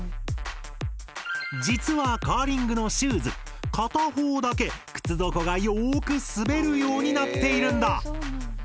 実はカーリングのシューズ片方だけ靴底がよく滑るようになっているんだ。